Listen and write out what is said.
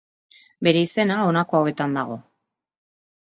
Bere izena, honako hauetan dago.